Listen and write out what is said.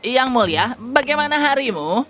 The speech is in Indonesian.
yang mulia bagaimana harimu